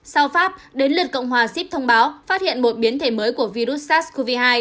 sau pháp đến lượt cộng hòa sip thông báo phát hiện một biến thể mới của virus sars cov hai